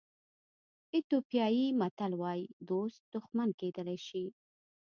ایتیوپیایي متل وایي دوست دښمن کېدلی شي.